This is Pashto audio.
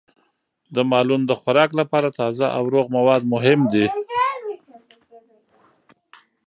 د مالونو د خوراک لپاره تازه او روغ مواد مهم دي.